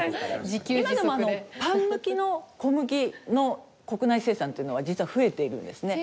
今でもパン向きの小麦の国内生産というのは実は増えているんですね。